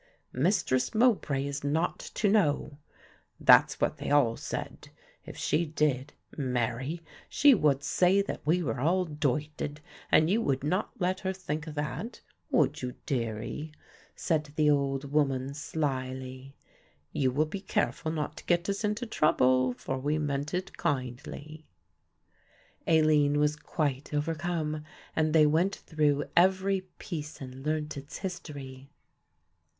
"Mistress Mowbray is not to know, that's what they all said; if she did, marry, she would say that we were all doited, and you would not let her think that, would you, dearie?" said the old woman slyly. "You will be careful not to get us into trouble, for we meant it kindly." Aline was quite overcome and they went through every piece and learnt its history.